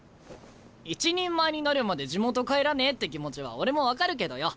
一人前になるまで地元帰らねえって気持ちは俺も分かるけどよ